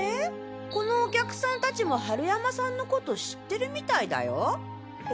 このお客さんたちも春山さんのこと知ってるみたいだよ！